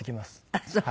あっそう。